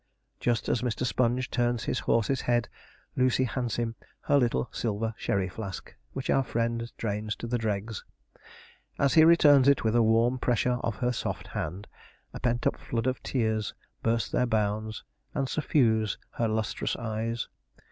Just as Mr. Sponge turns his horse's head Lucy hands him her little silver sherry flask, which our friend drains to the dregs. As he returns it, with a warm pressure of her soft hand, a pent up flood of tears burst their bounds, and suffuse her lustrous eyes.